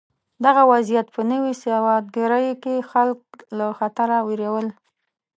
دغه وضعیت په نوې سوداګرۍ کې خلک له خطره وېرول.